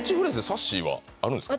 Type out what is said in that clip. さっしーはあるんですか？